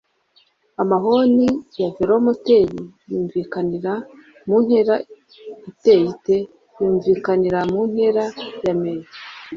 amahoni ya velomoteri yumvikanira muntera iteye ite? yumvikanira muntera ya m